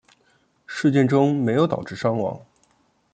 事件中没有导致伤亡。